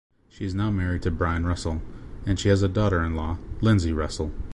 She is now married to Brian Russell, and she has a daughter-in-law, Lindsay Russell.